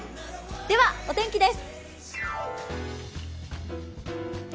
では、お天気です。